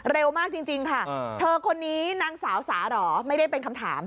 เร็วมากจริงค่ะเธอคนนี้นางสาวสาหรอไม่ได้เป็นคำถาม